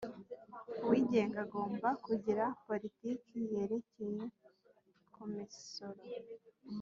uwigenga agomba kugira politiki yerekeye ku misoro